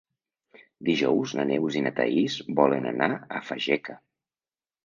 Dijous na Neus i na Thaís volen anar a Fageca.